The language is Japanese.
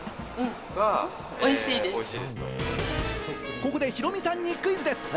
ここでヒロミさんにクイズです。